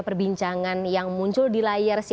perbincangan yang muncul di layar